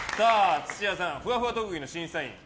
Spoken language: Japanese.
土屋さん、ふわふわ特技の審査員。